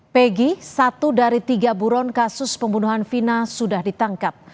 pegi satu dari tiga buron kasus pembunuhan vina sudah ditangkap